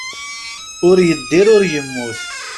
Ur yeddir ur yemmut.